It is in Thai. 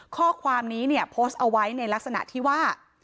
ข้อความนี้เนี่ยโพสต์เอาไว้ในลักษณะที่ว่า